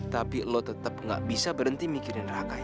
tapi lo tetep gak bisa berhenti mikirin raka ya kan